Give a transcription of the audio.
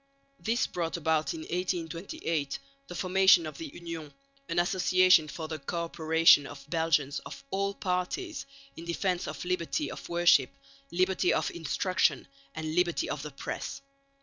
This brought about in 1828 the formation of the Union, an association for the co operation of Belgians of all parties in defence of liberty of worship, liberty of instruction and liberty of the press.